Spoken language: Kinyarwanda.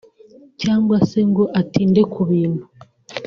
cyangwa se ngo atinde ku bintu